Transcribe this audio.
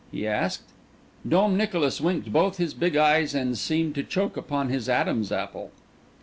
he asked. Dom Nicolas winked both his big eyes, and seemed to choke upon his Adam's apple.